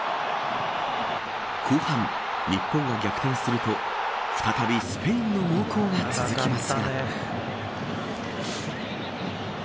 後半、日本が逆転すると再びスペインの猛攻が続きます。